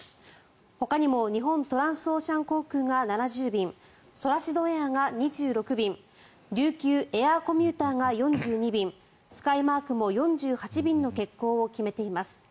ほかにも日本トランスオーシャン航空が７０便ソラシドエアが２６便琉球エアーコミューターが４２便スカイマークも４８便の欠航を決めています。